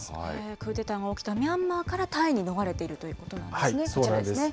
クーデターが起きたミャンマーからタイに逃れているというこそうなんです。